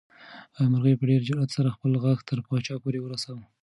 مرغۍ په ډېر جرئت سره خپل غږ تر پاچا پورې ورساوه.